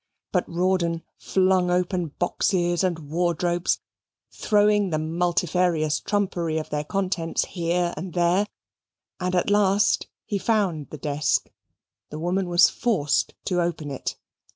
But Rawdon flung open boxes and wardrobes, throwing the multifarious trumpery of their contents here and there, and at last he found the desk. The woman was forced to open it.